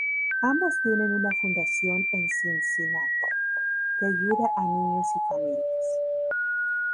Ambos tienen una fundación en Cincinnati, que ayuda a niños y familias.